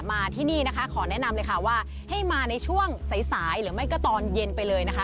มาที่นี่นะคะขอแนะนำเลยค่ะว่าให้มาในช่วงสายสายหรือไม่ก็ตอนเย็นไปเลยนะคะ